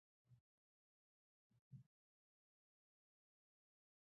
درېمګړتوب هم منځګړتوب ته ورته دی.